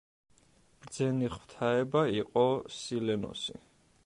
ბრძენი ღვთაება იყო სილენოსი.